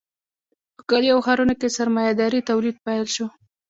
په کلیو او ښارونو کې سرمایه داري تولید پیل شو.